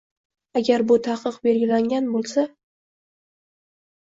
agar bu taqiq belgilangan bo‘lsa